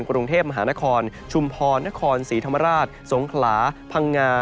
กรุงเทพมหานครชุมพรนครศรีธรรมราชสงขลาพังงา